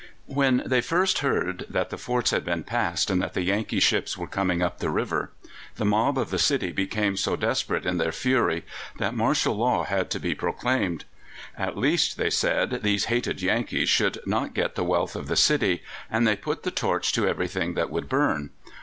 When they first heard that the forts had been passed and that the Yankee ships were coming up the river, the mob of the city became so desperate in their fury that martial law had to be proclaimed. At least, they said, these hated Yankees should not get the wealth of the city, and they put the torch to everything that would burn.